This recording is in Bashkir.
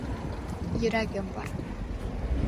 Йөрәгем бар.